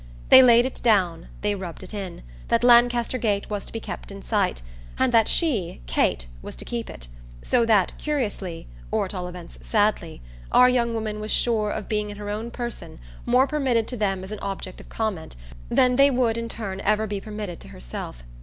They laid it down, they rubbed it in, that Lancaster Gate was to be kept in sight, and that she, Kate, was to keep it; so that, curiously, or at all events sadly, our young woman was sure of being in her own person more permitted to them as an object of comment than they would in turn ever be permitted to herself.